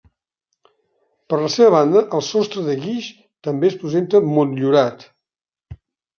Per la seva banda, el sostre de guix també es presenta motllurat.